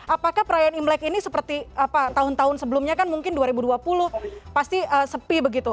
apakah perayaan imlek ini seperti tahun tahun sebelumnya kan mungkin dua ribu dua puluh pasti sepi begitu